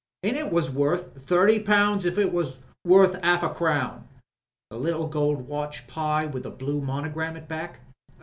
And it was worth thirty pounds if it was worth 'arf a crown. The little gold watch, Pye, with the blue monogram at the back.